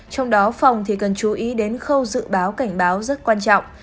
trong đó phòng thì cần chú ý đến khâu dự báo cảnh báo rất quan trọng